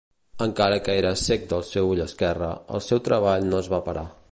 Encara que era ceg del seu ull esquerre, el seu treball no es va parar.